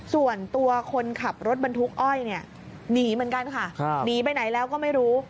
ส่วนตัวคนขับรถบรรทุกอ้อยเนี่ยหนีเหมือนกันค่ะหนีไปไหนแล้วก็ไม่รู้